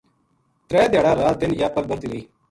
ترے دھیاڑا رات دن یاہ پَل بَرہتی رہی